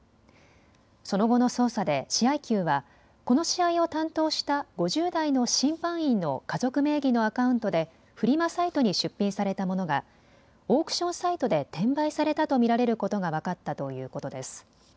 その後の捜査で試合球はこの試合を担当した５０代の審判員の家族名義のアカウントでフリマサイトに出品されたものがオークションサイトで転売されたと見られることが分かったということです。